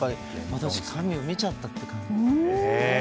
私、神を見ちゃったという感じ。